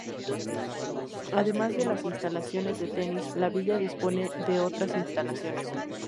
Además de las instalaciones de tenis la villa dispone de otras instalaciones.